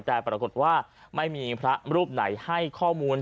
แต่ปรากฏว่าไม่มีพระรูปไหนให้ข้อมูล